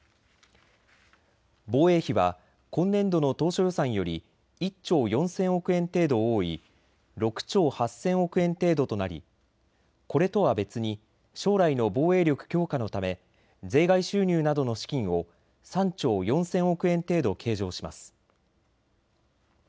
防衛費は今年度の当初予算より１兆４０００億円程度多い６兆８０００億円程度となりこれとは別に将来の防衛力強化のため、税外収入などの資金を３兆４０００億円程度計上します。